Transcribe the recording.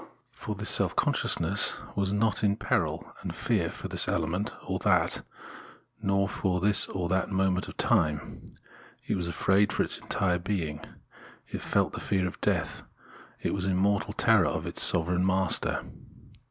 For this self consciousness was not in peril and fear for this element or that, nor for this or that moment of time, it was afraid for its entire being ; it felt the fear of death, it was in mortal terror of its sovereign master.